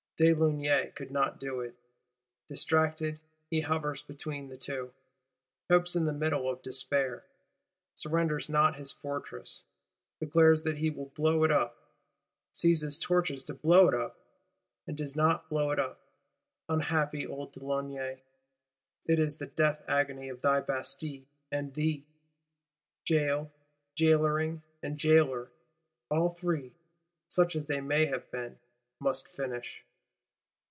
De Launay could not do it. Distracted, he hovers between the two; hopes in the middle of despair; surrenders not his Fortress; declares that he will blow it up, seizes torches to blow it up, and does not blow it. Unhappy old de Launay, it is the death agony of thy Bastille and thee! Jail, Jailoring and Jailor, all three, such as they may have been, must finish.